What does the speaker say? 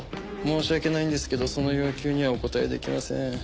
申し訳ないんですけどその要求にはお応えできません。